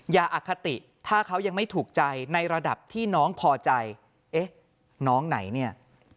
อคติถ้าเขายังไม่ถูกใจในระดับที่น้องพอใจเอ๊ะน้องไหนเนี่ย